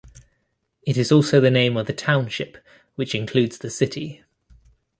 It is also the name of the township which includes the city.